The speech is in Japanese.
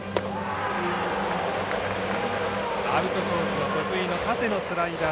アウトコースへの得意な縦のスライダー。